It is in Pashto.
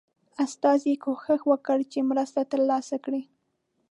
استازي کوښښ وکړ چې مرسته ترلاسه کړي.